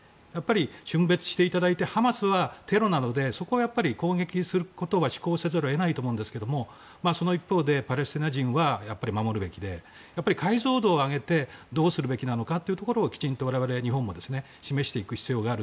峻別していただいてハマスはテロなのでそこは攻撃することが施行せざるを得ないと思うんですがその一方でパレスチナ人は守るべきで解像度を上げてどうするべきなのかときちんと我々日本は示していく必要がある。